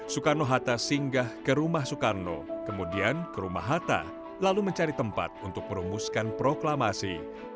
soekarno hatta singgah ke rumah soekarno kemudian ke rumah hatta lalu mencari tempat untuk merumuskan proklamasi